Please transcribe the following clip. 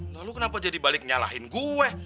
lalu kenapa jadi balik nyalahin gue